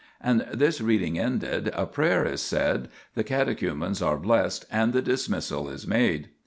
4 And this reading ended, a prayer is said, the catechumens are blessed, and the dismissal is made.